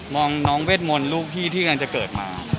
น้องเวทมนต์ลูกพี่ที่กำลังจะเกิดมา